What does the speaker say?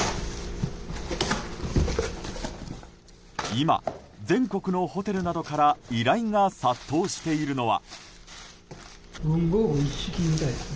今、全国のホテルなどから依頼が殺到しているのは。